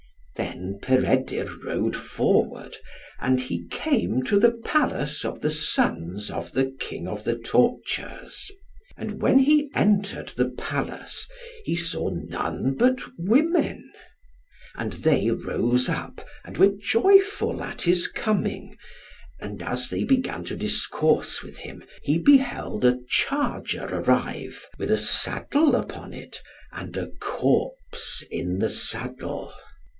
Then Peredur rode forward, and he came to the Palace of the Sons of the King of the Tortures; and when he entered the Palace, he saw none but women; and they rose up, and were joyful at his coming; and as they began to discourse with him, he beheld a charger arrive, with a saddle upon it, and a corpse in the saddle.